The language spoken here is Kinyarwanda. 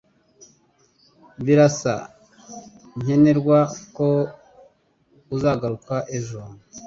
Birasa nkenerwa ko uzagaruka ejo.